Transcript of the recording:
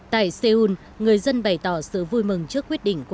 tại seoul người dân bày tỏ sự vui mừng trước quyết định của